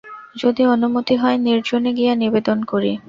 যদি অনুমতি হয় নির্জনে গিয়া নিবেদন করি।